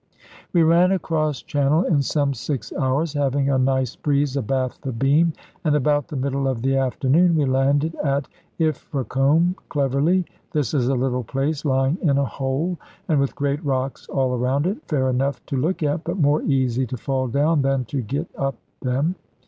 We ran across channel in some six hours, having a nice breeze abaft the beam, and about the middle of the afternoon we landed at Ilfracombe cleverly. This is a little place lying in a hole, and with great rocks all around it, fair enough to look at, but more easy to fall down than to get up them.